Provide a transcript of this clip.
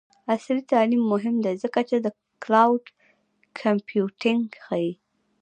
عصري تعلیم مهم دی ځکه چې د کلاؤډ کمپیوټینګ ښيي.